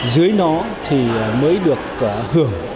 dưới nó thì mới được hưởng